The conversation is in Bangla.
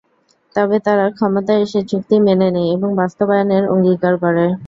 তবে তারা ক্ষমতায় এসে চুক্তি মেনে নেয় এবং বাস্তবায়নের অঙ্গীকার করে।